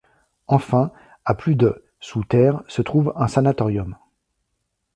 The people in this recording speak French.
Enfin, à plus de sous terre se trouve un sanatorium.